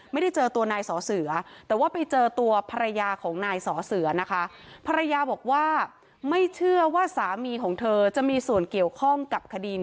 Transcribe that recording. ไม่ได้เจอตัวนายสอเสือแต่ว่าไปเจอตัวภรรยาของนายสอเสือนะคะ